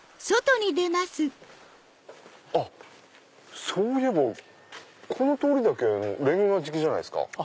あっそういえばこの通りだけレンガ敷きじゃないですか。